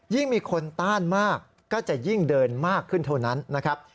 มีคนต้านมากก็จะยิ่งเดินมากขึ้นเท่านั้นนะครับ